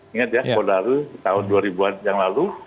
ingat ya kodarus tahun dua ribu an yang lalu